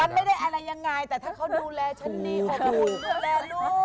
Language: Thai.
ไม่ได้อะไรยังไงแต่ถ้าเขาดูแลฉันดีอบอุ่นดูแลลูก